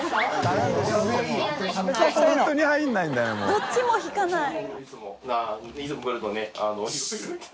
どっちも引かない。